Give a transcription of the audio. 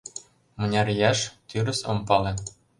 Мыняр ияш — тӱрыс ом пале.